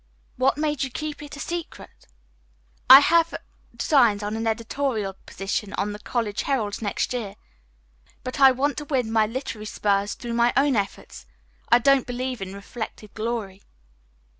"What made you keep it a secret?" "I have designs on an editorial position on the 'College Herald' next year. But I want to win my literary spurs through my own efforts. I don't believe in reflected glory."